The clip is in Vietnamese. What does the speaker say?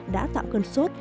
đã tạo cân sốt